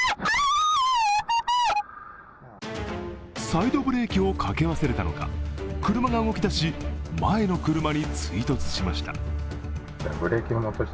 サイドブレーキをかけ忘れたのか車が動き出し、前の車に追突しました。